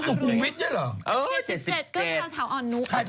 ก็จะไปออนนูด